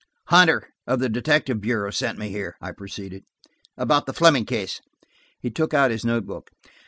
"Hunter, of the detective bureau, sent me here," I proceeded, "about the Fleming case." He took out his note book.